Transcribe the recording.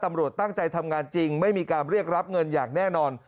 ตำรวจตั้งใจทำงานจริงไม่มีการเรียกรับเงินอย่างแน่นอน